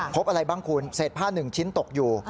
พบอะไรบ้างคุณเศษผ้า๑ชิ้นตกอยู่